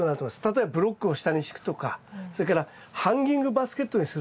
例えばブロックを下に敷くとかそれからハンギングバスケットにするという。